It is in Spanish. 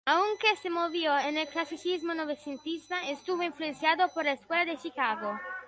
Aunque se movió en el clasicismo novecentista, estuvo influenciado por la escuela de Chicago.